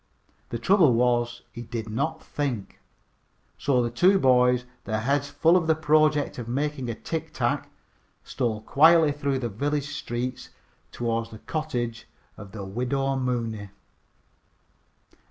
The trouble was he did not think. So the two boys, their heads full of the project of making a tic tac, stole quietly through the village streets toward the cottage of the Widow Mooney.